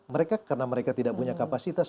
mereka karena mereka tidak punya kapasitas